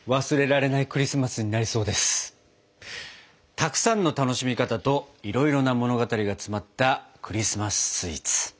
たくさんの楽しみ方といろいろな物語が詰まったクリスマススイーツ。